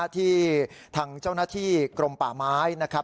ที่ทางเจ้าหน้าที่กรมป่าไม้นะครับ